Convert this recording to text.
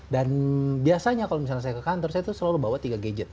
dan biasanya kalau misalnya saya ke kantor saya tuh selalu bawa tiga gadget